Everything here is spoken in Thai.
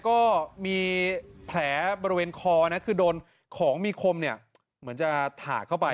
ก็มีแผลบริเวณคอนะคือโดนของมีคมเนี่ยเหมือนจะถากเข้าไป